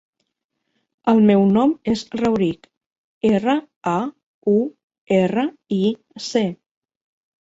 El meu nom és Rauric: erra, a, u, erra, i, ce.